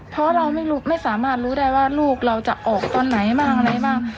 เพราะเราไม่สามารถรู้ได้ว่าลูกเราจะออกตอนไหนบ้างอะไรบ้าง